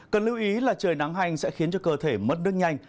cần lưu ý là trời nắng hành sẽ khiến cho cơ thể mất nước nhanh